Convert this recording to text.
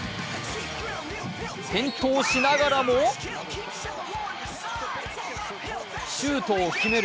転倒しながらもシュートを決める！